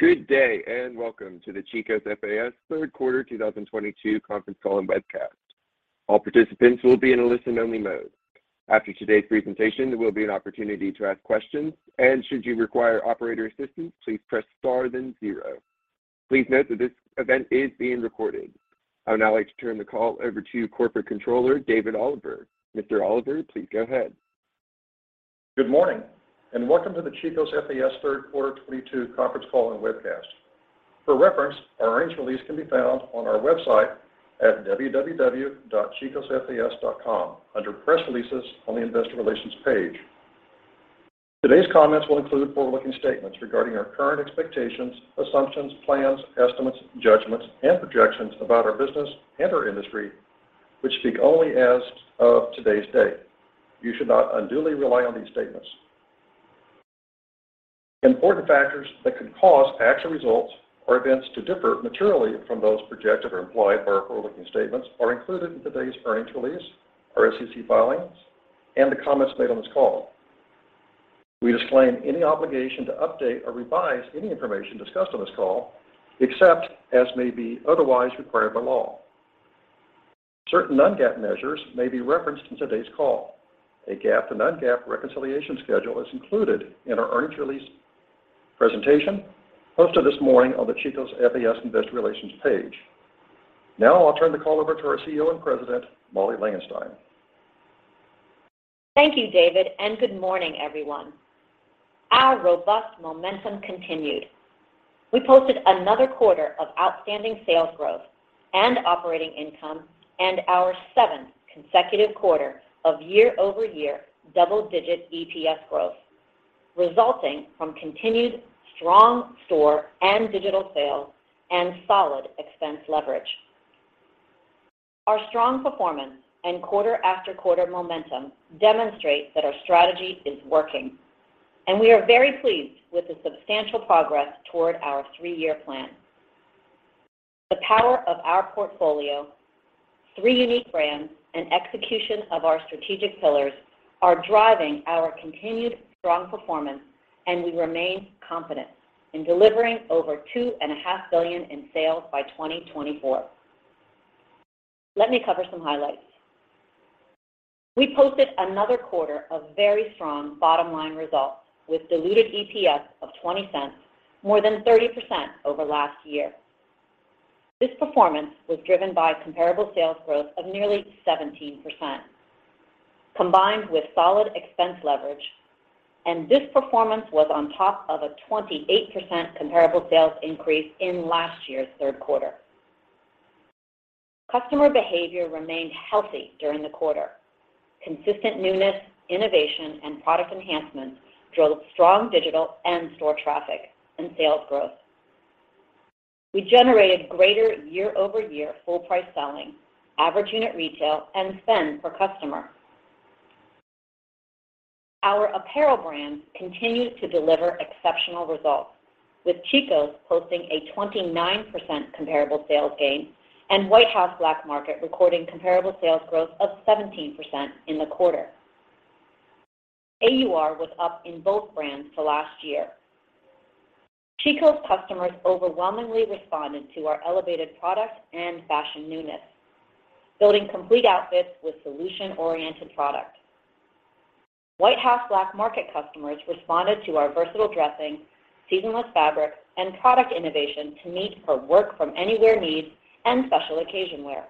Good day, welcome to the Chico's FAS third quarter 2022 conference call and webcast. All participants will be in a listen-only mode. After today's presentation, there will be an opportunity to ask questions, and should you require operator assistance, please press star then zero. Please note that this event is being recorded. I would now like to turn the call over to Corporate Controller, David Oliver. Mr. Oliver, please go ahead. Good morning. Welcome to the Chico's FAS third quarter 2022 conference call and webcast. For reference, our earnings release can be found on our website at www.chicosfas.com under Press Releases on the Investor Relations page. Today's comments will include forward-looking statements regarding our current expectations, assumptions, plans, estimates, judgments, and projections about our business and our industry, which speak only as of today's date. You should not unduly rely on these statements. Important factors that could cause actual results or events to differ materially from those projected or implied by our forward-looking statements are included in today's earnings release, our SEC filings, and the comments made on this call. We disclaim any obligation to update or revise any information discussed on this call, except as may be otherwise required by law. Certain non-GAAP measures may be referenced in today's call. A GAAP to non-GAAP reconciliation schedule is included in our earnings release presentation posted this morning on the Chico's FAS Investor Relations page. Now I'll turn the call over to our CEO and President, Molly Langenstein. Thank you, David. Good morning, everyone. Our robust momentum continued. We posted another quarter of outstanding sales growth and operating income and our seventh consecutive quarter of year-over-year double-digit EPS growth, resulting from continued strong store and digital sales and solid expense leverage. Our strong performance and quarter-after-quarter momentum demonstrate that our strategy is working, and we are very pleased with the substantial progress toward our three-year plan. The power of our portfolio, three unique brands, and execution of our strategic pillars are driving our continued strong performance, and we remain confident in delivering over $2.5 billion in sales by 2024. Let me cover some highlights. We posted another quarter of very strong bottom-line results with diluted EPS of $0.20, more than 30% over last year. This performance was driven by comparable sales growth of nearly 17%. Combined with solid expense leverage and this performance was on top of a 28% comparable sales increase in last year's third quarter. Customer behavior remained healthy during the quarter. Consistent newness, innovation, and product enhancements drove strong digital and store traffic and sales growth. We generated greater year-over-year full price selling, average unit retail, and spend per customer. Our apparel brands continued to deliver exceptional results, with Chico's posting a 29% comparable sales gain and White House Black Market recording comparable sales growth of 17% in the quarter. AUR was up in both brands to last year. Chico's customers overwhelmingly responded to our elevated product and fashion newness, building complete outfits with solution-oriented product. White House Black Market customers responded to our versatile dressing, seasonless fabric, and product innovation to meet her work from anywhere needs and special occasion wear.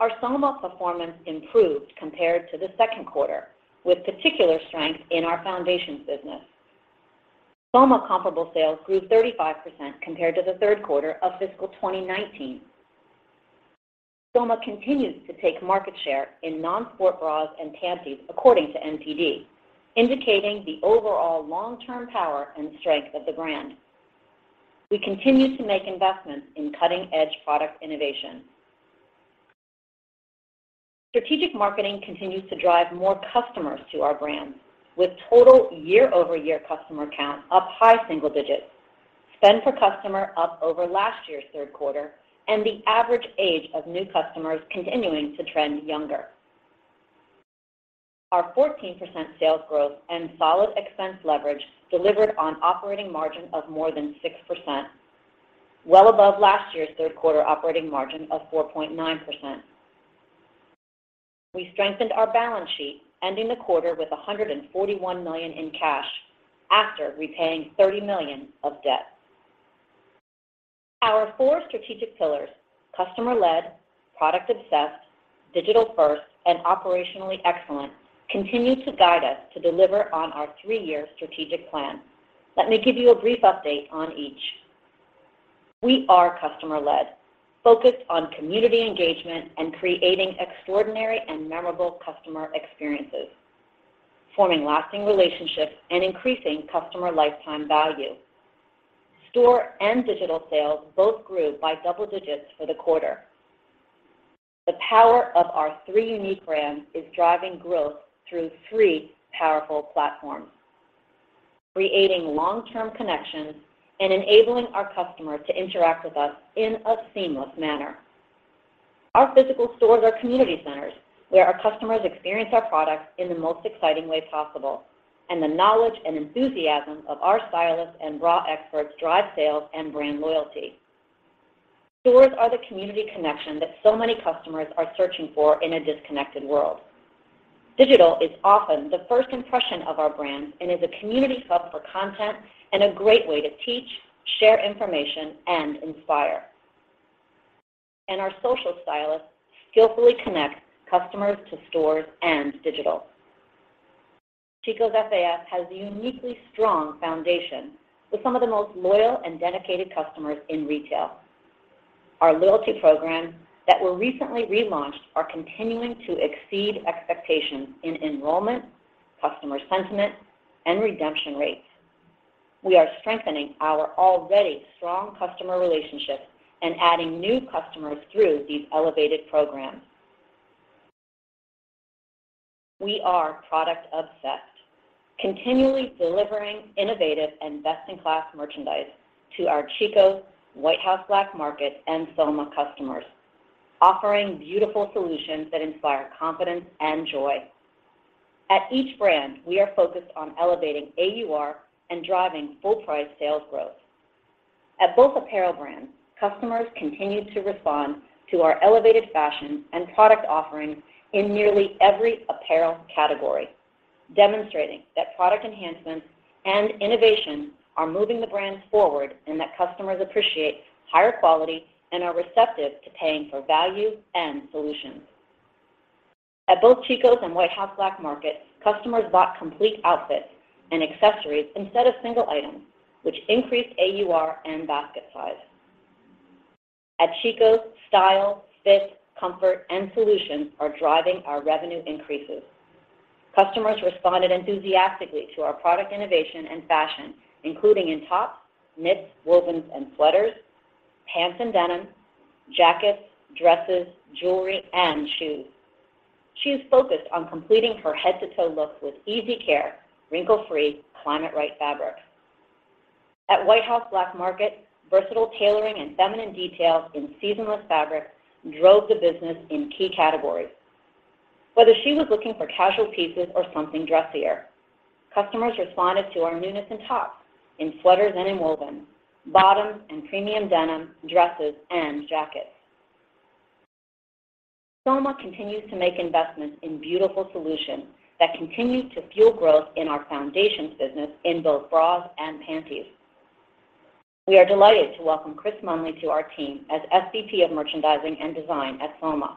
Our Soma performance improved compared to the second quarter, with particular strength in our foundation business. Soma comparable sales grew 35% compared to the third quarter of fiscal 2019. Soma continues to take market share in non-sport bras and panties according to NPD, indicating the overall long-term power and strength of the brand. We continue to make investments in cutting-edge product innovation. Strategic marketing continues to drive more customers to our brands, with total year-over-year customer count up high single digits, spend per customer up over last year's third quarter, and the average age of new customers continuing to trend younger. Our 14% sales growth and solid expense leverage delivered on operating margin of more than 6%, well above last year's third quarter operating margin of 4.9%. We strengthened our balance sheet, ending the quarter with $141 million in cash after repaying $30 million of debt. Our four strategic pillars, customer-led, product-obsessed, digital-first, and operationally excellent, continue to guide us to deliver on our three-year strategic plan. Let me give you a brief update on each. We are customer-led, focused on community engagement and creating extraordinary and memorable customer experiences, forming lasting relationships and increasing customer lifetime value. Store and digital sales both grew by double digits for the quarter. The power of our three unique brands is driving growth through three powerful platforms, creating long-term connections and enabling our customers to interact with us in a seamless manner. Our physical stores are community centers where our customers experience our products in the most exciting way possible, and the knowledge and enthusiasm of our stylists and bra experts drive sales and brand loyalty. Stores are the community connection that so many customers are searching for in a disconnected world. Digital is often the first impression of our brand and is a community hub for content and a great way to teach, share information, and inspire. Our social stylists skillfully connect customers to stores and digital. Chico's FAS has a uniquely strong foundation with some of the most loyal and dedicated customers in retail. Our loyalty programs that were recently relaunched are continuing to exceed expectations in enrollment, customer sentiment, and redemption rates. We are strengthening our already strong customer relationships and adding new customers through these elevated programs. We are product obsessed, continually delivering innovative and best-in-class merchandise to our Chico's, White House Black Market, and Soma customers, offering beautiful solutions that inspire confidence and joy. At each brand, we are focused on elevating AUR and driving full price sales growth. At both apparel brands, customers continued to respond to our elevated fashion and product offerings in nearly every apparel category, demonstrating that product enhancements and innovation are moving the brands forward and that customers appreciate higher quality and are receptive to paying for value and solutions. At both Chico's and White House Black Market, customers bought complete outfits and accessories instead of single items, which increased AUR and basket size. At Chico's, style, fit, comfort, and solution are driving our revenue increases. Customers responded enthusiastically to our product innovation and fashion, including in tops, knits, wovens, and sweaters, pants and denim, jackets, dresses, jewelry, and shoes. She's focused on completing her head-to-toe look with easy care, wrinkle-free Climateright fabrics. At White House Black Market, versatile tailoring and feminine details in seasonless fabrics drove the business in key categories. Whether she was looking for casual pieces or something dressier, customers responded to our newness in tops, in sweaters and in wovens, bottoms and premium denim, dresses and jackets. Soma continues to make investments in beautiful solutions that continue to fuel growth in our foundations business in both bras and panties. We are delighted to welcome Chris Munnelly to our team as SVP of Merchandising and Design at Soma.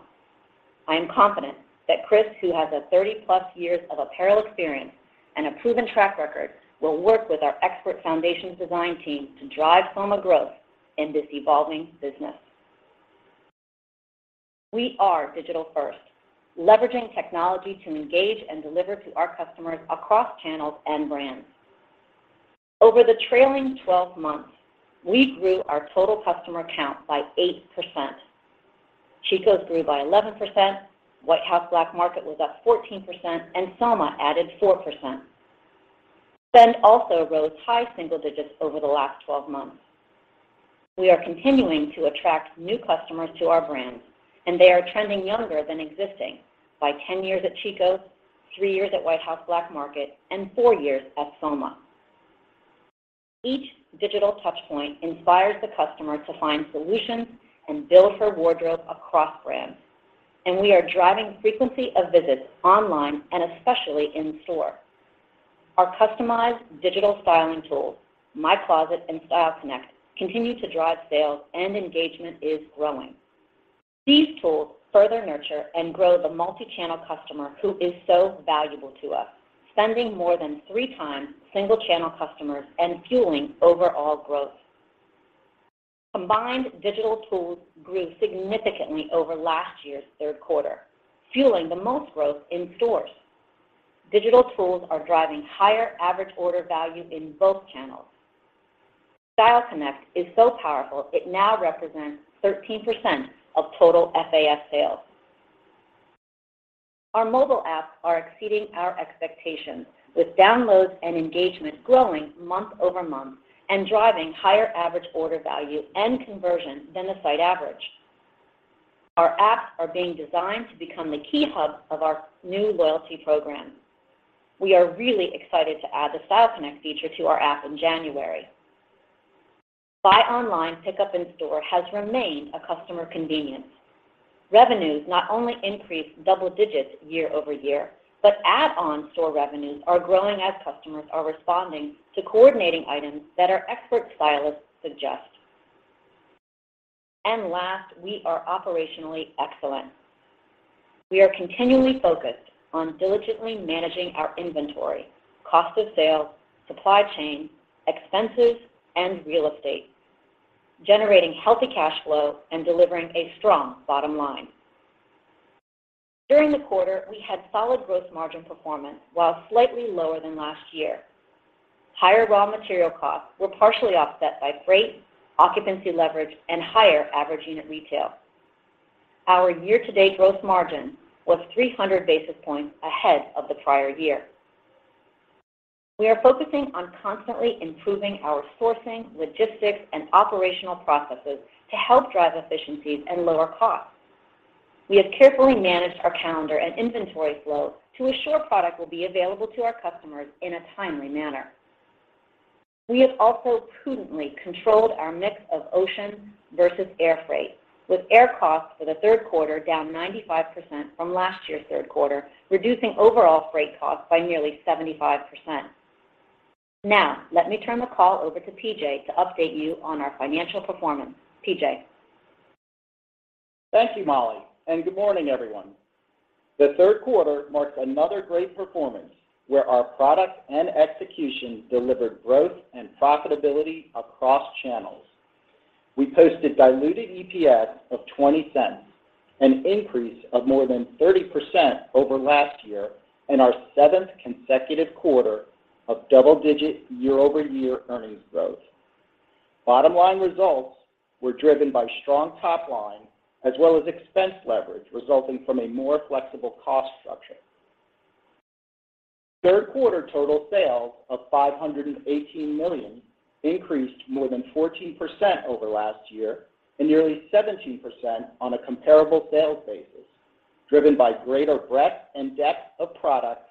I am confident that Chris, who has a 30 plus years of apparel experience and a proven track record, will work with our expert foundations design team to drive Soma growth in this evolving business. We are digital first, leveraging technology to engage and deliver to our customers across channels and brands. Over the trailing 12 months, we grew our total customer count by 8%. Chico's grew by 11%. White House Black Market was up 14%. Soma added 4%. Spend also rose high single digits over the last 12 months. We are continuing to attract new customers to our brands. They are trending younger than existing by 10 years at Chico's, three years at White House Black Market, and four years at Soma. Each digital touchpoint inspires the customer to find solutions and build her wardrobe across brands. We are driving frequency of visits online and especially in store. Our customized digital styling tools, My Closet and Style Connect, continue to drive sales and engagement is growing. These tools further nurture and grow the multi-channel customer who is so valuable to us, spending more than three times single channel customers and fueling overall growth. Combined digital tools grew significantly over last year's third quarter, fueling the most growth in stores. Digital tools are driving higher average order value in both channels. Style Connect is so powerful it now represents 13% of total FAS sales. Our mobile apps are exceeding our expectations with downloads and engagement growing month-over-month and driving higher average order value and conversion than the site average. Our apps are being designed to become the key hub of our new loyalty program. We are really excited to add the Style Connect feature to our app in January. Buy online, pickup in store has remained a customer convenience. Revenues not only increased double digits year-over-year, but add-on store revenues are growing as customers are responding to coordinating items that our expert stylists suggest. Last, we are operationally excellent. We are continually focused on diligently managing our inventory, cost of sale, supply chain, expenses, and real estate, generating healthy cash flow and delivering a strong bottom line. During the quarter, we had solid gross margin performance, while slightly lower than last year. Higher raw material costs were partially offset by freight, occupancy leverage, and higher average unit retail. Our year-to-date gross margin was 300 basis points ahead of the prior year. We are focusing on constantly improving our sourcing, logistics, and operational processes to help drive efficiencies and lower costs. We have carefully managed our calendar and inventory flow to assure product will be available to our customers in a timely manner. We have also prudently controlled our mix of ocean versus air freight, with air costs for the third quarter down 95% from last year's third quarter, reducing overall freight costs by nearly 75%. Now, let me turn the call over to PJ to update you on our financial performance. PJ. Thank you, Molly. Good morning, everyone. The third quarter marks another great performance where our product and execution delivered growth and profitability across channels. We posted diluted EPS of $0.20, an increase of more than 30% over last year and our seventh consecutive quarter of double-digit year-over-year earnings growth. Bottom line results were driven by strong top line as well as expense leverage resulting from a more flexible cost structure. Third quarter total sales of $518 million increased more than 14% over last year and nearly 17% on a comparable sales basis, driven by greater breadth and depth of products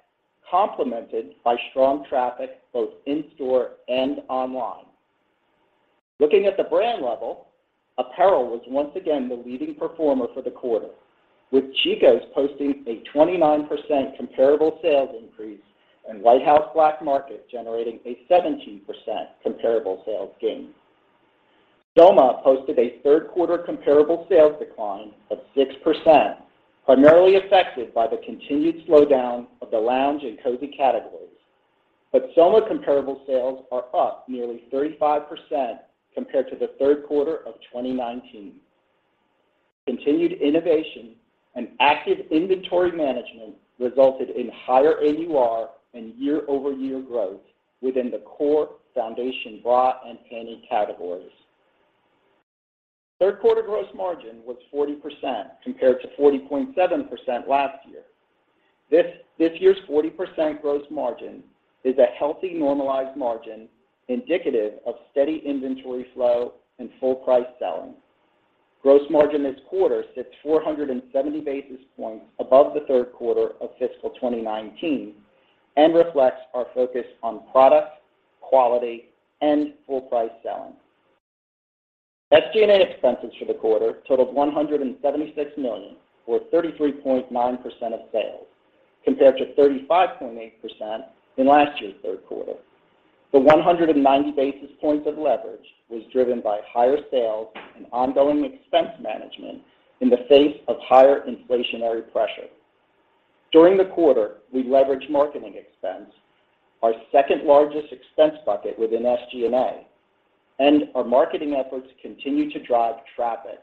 complemented by strong traffic both in store and online. Looking at the brand level, apparel was once again the leading performer for the quarter, with Chico's posting a 29% comparable sales increase and White House Black Market generating a 17% comparable sales gain. Soma posted a third quarter comparable sales decline of 6%, primarily affected by the continued slowdown of the lounge and cozy categories. Soma comparable sales are up nearly 35% compared to the third quarter of 2019. Continued innovation and active inventory management resulted in higher AUR and year-over-year growth within the core foundation bra and panty categories. Third quarter gross margin was 40% compared to 40.7% last year. This year's 40% gross margin is a healthy normalized margin indicative of steady inventory flow and full price selling. Gross margin this quarter sits 470 basis points above the third quarter of fiscal 2019 and reflects our focus on product, quality, and full price selling. SG&A expenses for the quarter totaled $176 million, or 33.9% of sales, compared to 35.8% in last year's third quarter. The 190 basis points of leverage was driven by higher sales and ongoing expense management in the face of higher inflationary pressure. During the quarter, we leveraged marketing expense, our second-largest expense bucket within SG&A, and our marketing efforts continue to drive traffic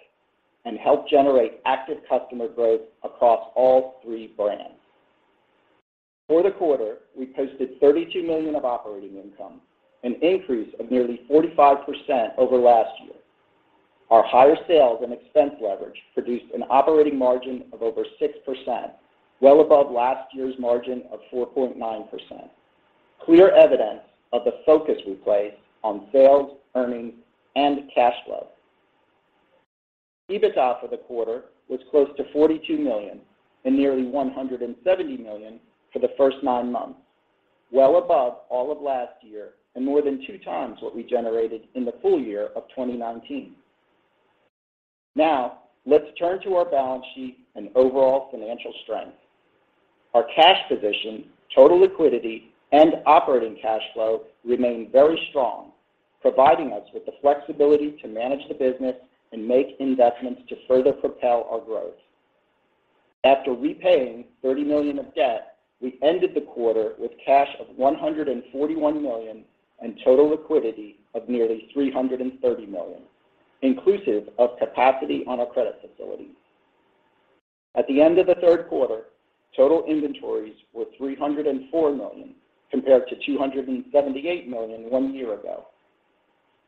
and help generate active customer growth across all three brands. For the quarter, we posted $32 million of operating income, an increase of nearly 45% over last year. Our higher sales and expense leverage produced an operating margin of over 6%, well above last year's margin of 4.9%. Clear evidence of the focus we place on sales, earnings, and cash flow. EBITDA for the quarter was close to $42 million and nearly $170 million for the first nine months, well above all of last year and more than two times what we generated in the full year of 2019. Let's turn to our balance sheet and overall financial strength. Our cash position, total liquidity and operating cash flow remain very strong, providing us with the flexibility to manage the business and make investments to further propel our growth. After repaying $30 million of debt, we ended the quarter with cash of $141 million and total liquidity of nearly $330 million, inclusive of capacity on our credit facility. At the end of the third quarter, total inventories were $304 million, compared to $278 million one year ago.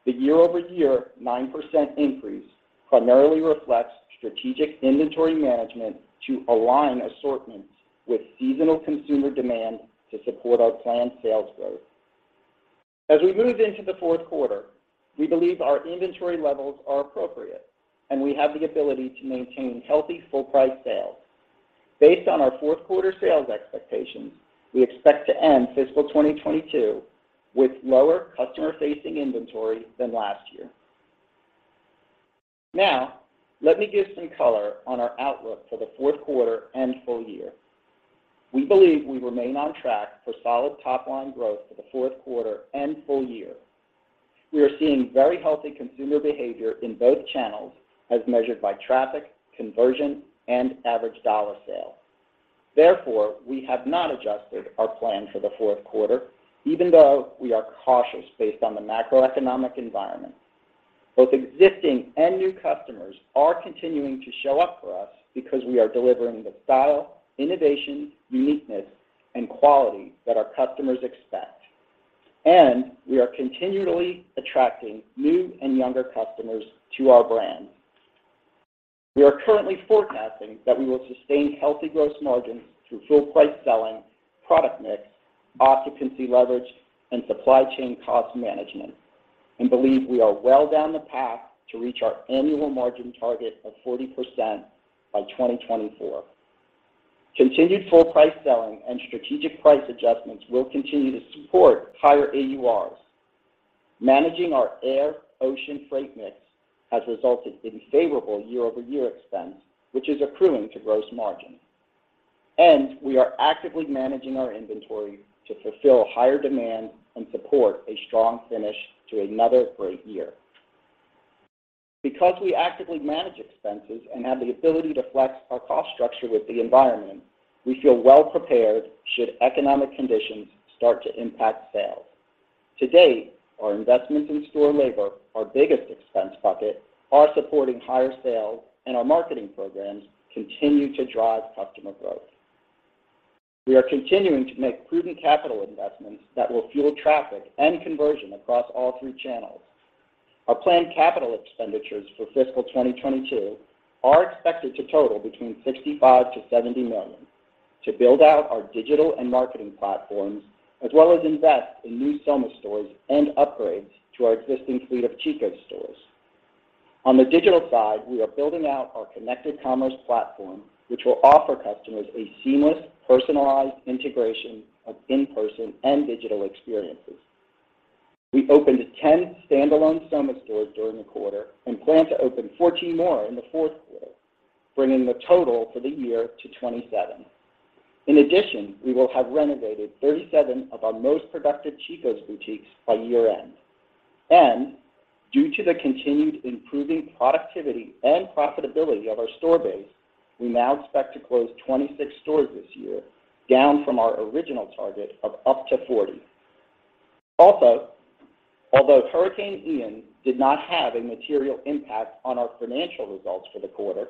The year-over-year 9% increase primarily reflects strategic inventory management to align assortments with seasonal consumer demand to support our planned sales growth. As we move into the fourth quarter, we believe our inventory levels are appropriate and we have the ability to maintain healthy full price sales. Based on our fourth quarter sales expectations, we expect to end fiscal 2022 with lower customer-facing inventory than last year. Now, let me give some color on our outlook for the fourth quarter and full year. We believe we remain on track for solid top line growth for the fourth quarter and full year. We are seeing very healthy consumer behavior in both channels as measured by traffic, conversion, and average dollar sale. Therefore, we have not adjusted our plan for the fourth quarter even though we are cautious based on the macroeconomic environment. Both existing and new customers are continuing to show up for us because we are delivering the style, innovation, uniqueness, and quality that our customers expect. We are continually attracting new and younger customers to our brands. We are currently forecasting that we will sustain healthy gross margins through full price selling, product mix, occupancy leverage, and supply chain cost management, and believe we are well down the path to reach our annual margin target of 40% by 2024. Continued full price selling and strategic price adjustments will continue to support higher AURs. Managing our air ocean freight mix has resulted in favorable year-over-year expense, which is accruing to gross margin. We are actively managing our inventory to fulfill higher demand and support a strong finish to another great year. Because we actively manage expenses and have the ability to flex our cost structure with the environment, we feel well prepared should economic conditions start to impact sales. To date, our investments in store labor, our biggest expense bucket, are supporting higher sales, and our marketing programs continue to drive customer growth. We are continuing to make prudent capital investments that will fuel traffic and conversion across all three channels. Our planned capital expenditures for fiscal 2022 are expected to total between $65 million-$70 million to build out our digital and marketing platforms, as well as invest in new Soma stores and upgrades to our existing fleet of Chico's stores. On the digital side, we are building out our connected commerce platform, which will offer customers a seamless, personalized integration of in-person and digital experiences. We opened 10 standalone Soma stores during the quarter and plan to open 14 more in the fourth quarter, bringing the total for the year to 27. We will have renovated 37 of our most productive Chico's boutiques by year-end. Due to the continued improving productivity and profitability of our store base, we now expect to close 26 stores this year, down from our original target of up to 40. Although Hurricane Ian did not have a material impact on our financial results for the quarter,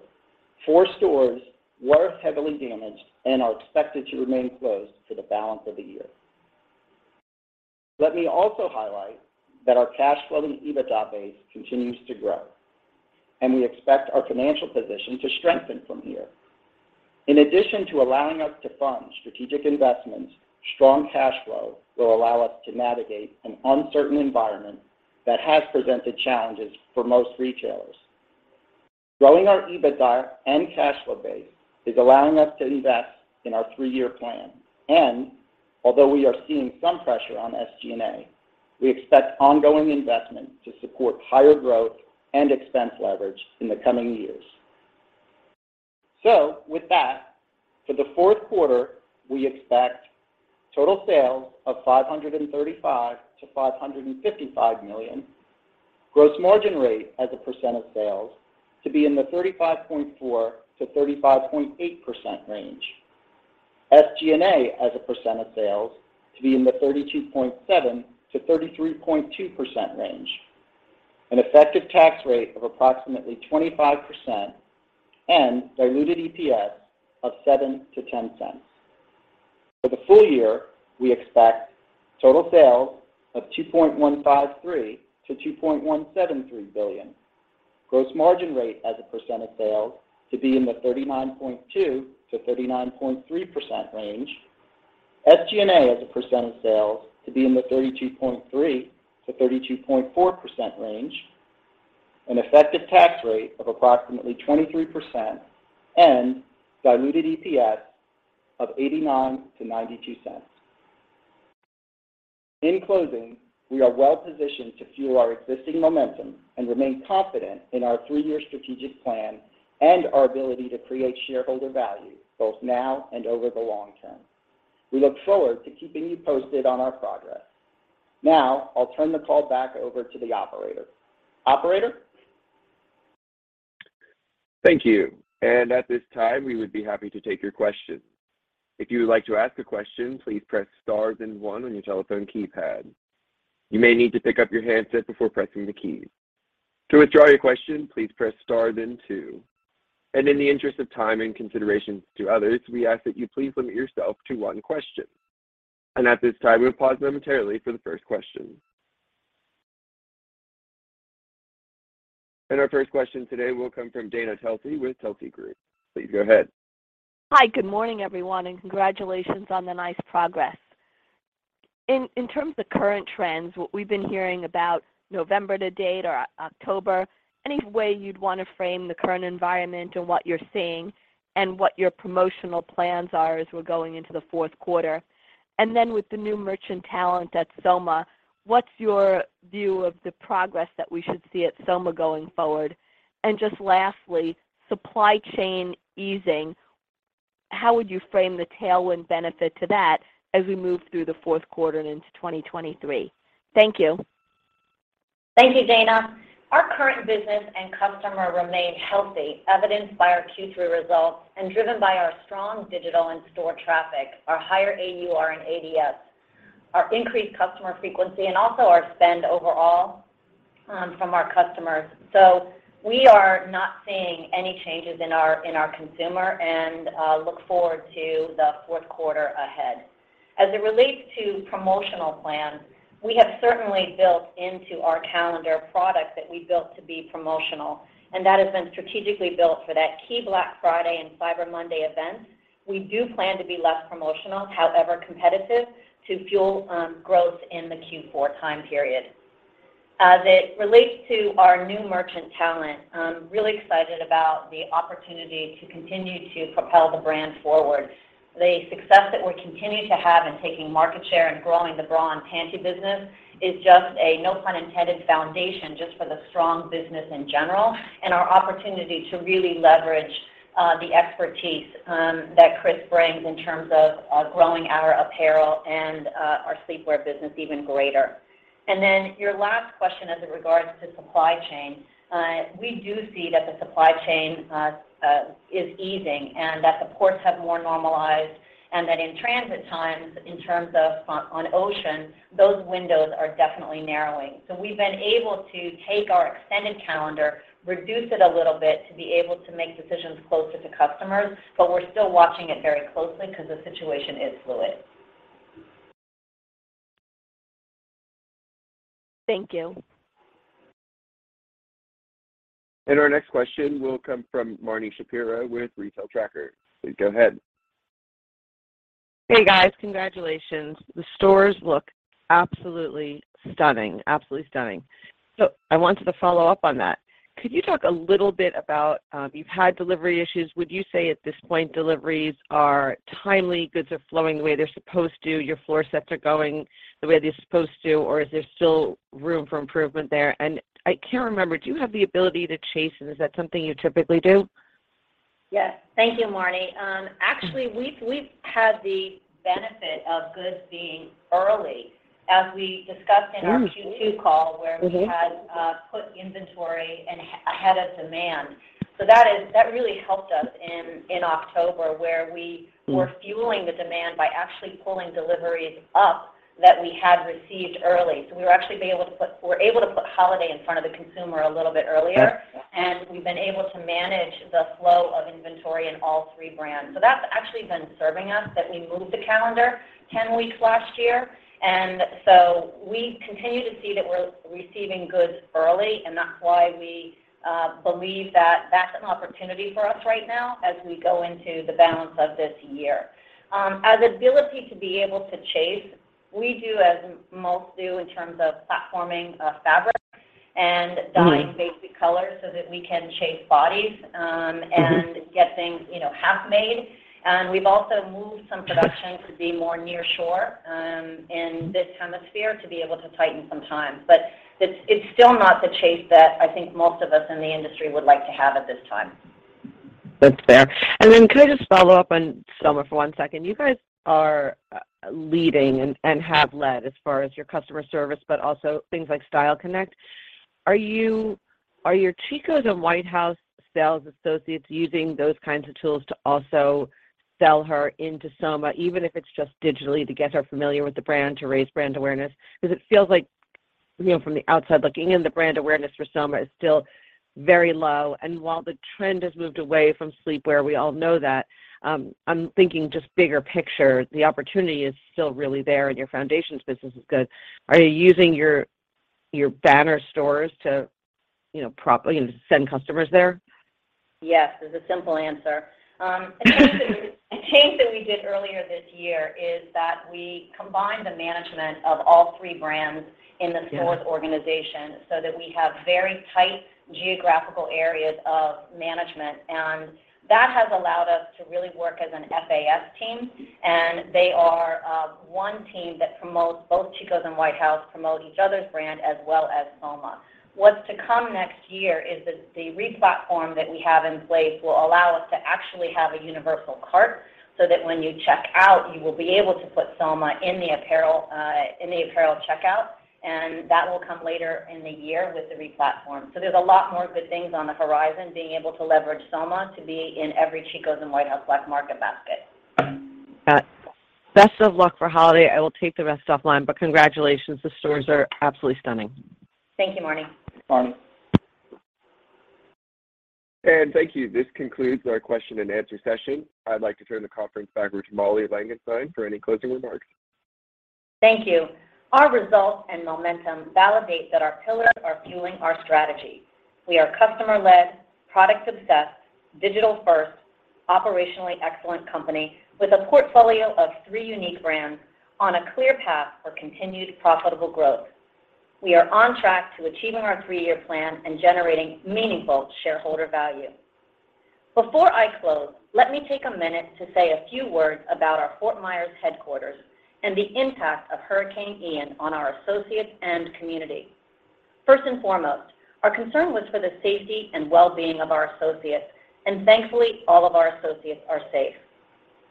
four stores were heavily damaged and are expected to remain closed for the balance of the year. Let me also highlight that our cash flowing EBITDA base continues to grow, and we expect our financial position to strengthen from here. In addition to allowing us to fund strategic investments, strong cash flow will allow us to navigate an uncertain environment that has presented challenges for most retailers. Growing our EBITDA and cash flow base is allowing us to invest in our three-year plan. Although we are seeing some pressure on SG&A, we expect ongoing investment to support higher growth and expense leverage in the coming years. With that, for the fourth quarter, we expect total sales of $535 million-$555 million, gross margin rate as a percent of sales to be in the 35.4%-35.8% range, SG&A as a percent of sales to be in the 32.7%-33.2% range, an effective tax rate of approximately 25%, and diluted EPS of $0.07-$0.10. For the full year, we expect total sales of $2.153 billion-$2.173 billion, gross margin rate as a percent of sales to be in the 39.2%-39.3% range, SG&A as a percent of sales to be in the 32.3%-32.4% range, an effective tax rate of approximately 23%, and diluted EPS of $0.89-$0.92. In closing, we are well positioned to fuel our existing momentum and remain confident in our three-year strategic plan and our ability to create shareholder value both now and over the long term. We look forward to keeping you posted on our progress. I'll turn the call back over to the operator. Operator? Thank you. At this time, we would be happy to take your questions. If you would like to ask a question, please press star then one on your telephone keypad. You may need to pick up your handset before pressing the keys. To withdraw your question, please press star then two. In the interest of time and consideration to others, we ask that you please limit yourself to one question. At this time, we'll pause momentarily for the first question. Our first question today will come from Dana Telsey with Telsey Group. Please go ahead. Hi. Good morning, everyone, congratulations on the nice progress. In terms of current trends, what we've been hearing about November to date or October, any way you'd wanna frame the current environment and what you're seeing and what your promotional plans are as we're going into the fourth quarter? Then with the new merchant talent at Soma, what's your view of the progress that we should see at Soma going forward? Just lastly, supply chain easing, how would you frame the tailwind benefit to that as we move through the fourth quarter and into 2023? Thank you. Thank you, Dana. Our current business and customer remain healthy, evidenced by our Q3 results and driven by our strong digital and store traffic, our higher AUR and ADS, our increased customer frequency, and also our spend overall, from our customers. We are not seeing any changes in our consumer and look forward to the fourth quarter ahead. As it relates to promotional plans, we have certainly built into our calendar products that we built to be promotional. That has been strategically built for that key Black Friday and Cyber Monday events. We do plan to be less promotional, however competitive to fuel growth in the Q4 time period. As it relates to our new merchant talent, I'm really excited about the opportunity to continue to propel the brand forward. The success that we continue to have in taking market share and growing the bra and panty business is just a, no pun intended, foundation just for the strong business in general, and our opportunity to really leverage the expertise that Chris brings in terms of growing our apparel and our sleepwear business even greater. Your last question as it regards to supply chain, we do see that the supply chain is easing and that the ports have more normalized and that in transit times, in terms of on ocean, those windows are definitely narrowing. We've been able to take our extended calendar, reduce it a little bit to be able to make decisions closer to customers, but we're still watching it very closely because the situation is fluid. Thank you. Our next question will come from Marni Shapiro with Retail Tracker. Please go ahead. Hey, guys. Congratulations. The stores look absolutely stunning. Absolutely stunning. I wanted to follow up on that. Could you talk a little bit about, you've had delivery issues. Would you say at this point, deliveries are timely, goods are flowing the way they're supposed to, your floor sets are going the way they're supposed to, or is there still room for improvement there? I can't remember, do you have the ability to chase, and is that something you typically do? Yes. Thank you, Marni. Actually, we've had the benefit of goods being early. As we discussed in our Q2 call where we had put inventory ahead of demand. So that really helped us in October, where we were fueling the demand by actually pulling deliveries up that we had received early. So we were able to put holiday in front of the consumer a little bit earlier, and we've been able to manage the flow of inventory in all three brands. So that's actually been serving us, that we moved the calendar 10 weeks last year. We continue to see that we're receiving goods early, and that's why we believe that that's an opportunity for us right now as we go into the balance of this year. As ability to be able to chase, we do as most do in terms of platforming, fabric and dyeing basic colors so that we can chase bodies, and get things, you know, half made. We've also moved some production to be more near shore, in this hemisphere to be able to tighten some time. It's, it's still not the chase that I think most of us in the industry would like to have at this time. That's fair. Could I just follow up on Soma for 1 second? You guys are leading and have led as far as your customer service, but also things like Style Connect. Are your Chico's and White House sales associates using those kinds of tools to also sell her into Soma, even if it's just digitally to get her familiar with the brand, to raise brand awareness? It feels like, you know, from the outside looking in, the brand awareness for Soma is still very low. The trend has moved away from sleepwear, we all know that, I'm thinking just bigger picture, the opportunity is still really there and your foundations business is good. Are you using your banner stores to, you know, to send customers there? Yes, is the simple answer. A change that we did earlier this year is that we combined the management of all three brands in the Soma organization so that we have very tight geographical areas of management. That has allowed us to really work as an FAS team, and they are one team that promotes both Chico's and White House, promote each other's brand as well as Soma. What's to come next year is the replatform that we have in place will allow us to actually have a universal cart so that when you check out, you will be able to put Soma in the apparel, in the apparel checkout. That will come later in the year with the replatform. There's a lot more good things on the horizon, being able to leverage Soma to be in every Chico's and White House Black Market basket. Got it. Best of luck for holiday. I will take the rest offline, but congratulations. The stores are absolutely stunning. Thank you, Marni. Marni. Thank you. This concludes our question and answer session. I'd like to turn the conference back over to Molly Langenstein for any closing remarks. Thank you. Our results and momentum validate that our pillars are fueling our strategy. We are customer-led, product obsessed, digital first, operationally excellent company with a portfolio of three unique brands on a clear path for continued profitable growth. We are on track to achieving our three-year plan and generating meaningful shareholder value. Before I close, let me take a minute to say a few words about our Fort Myers headquarters and the impact of Hurricane Ian on our associates and community. First and foremost, our concern was for the safety and well-being of our associates, and thankfully, all of our associates are safe.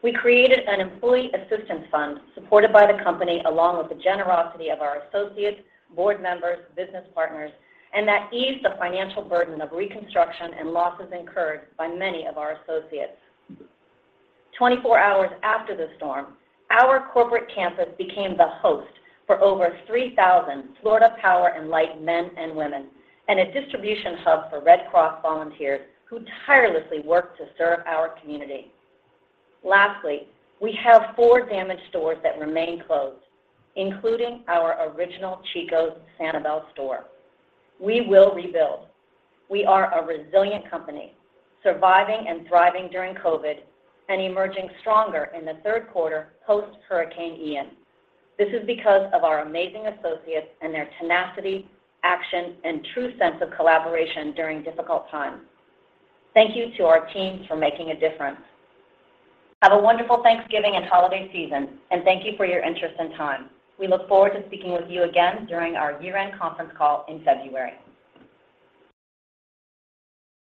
We created an employee assistance fund supported by the company along with the generosity of our associates, board members, business partners, and that eased the financial burden of reconstruction and losses incurred by many of our associates. 24 hours after the storm, our corporate campus became the host for over 3,000 Florida Power and Light men and women and a distribution hub for Red Cross volunteers who tirelessly work to serve our community. Lastly, we have four damaged stores that remain closed, including our original Chico's Sanibel store. We will rebuild. We are a resilient company, surviving and thriving during COVID and emerging stronger in the third quarter post-Hurricane Ian. This is because of our amazing associates and their tenacity, action, and true sense of collaboration during difficult times. Thank you to our teams for making a difference. Have a wonderful Thanksgiving and holiday season, and thank you for your interest and time. We look forward to speaking with you again during our year-end conference call in February.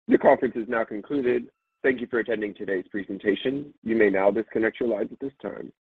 Your conference is now concluded. Thank you for attending today's presentation. You may now disconnect your lines at this time.